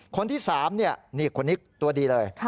คนที่๓นี่คนนี้ตัวดีเลย